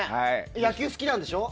野球好きなんでしょ？